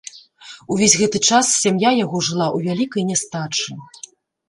Увесь гэты час сям'я яго жыла ў вялікай нястачы.